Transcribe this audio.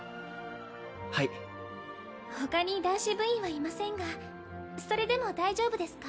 はい他に男子部員はいませんがそれでも大丈夫ですか？